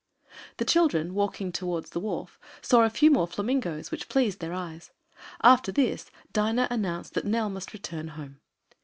The children, walking towards the wharf, saw a few more flamingoes, which pleased their eyes. After this Dinah announced that Nell must return home.